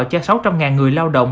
cho sáu trăm linh người lao động